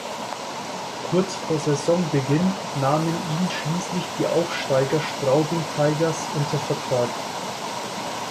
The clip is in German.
Kurz vor Saisonbeginn nahmen ihn schließlich die Aufsteiger Straubing Tigers unter Vertrag.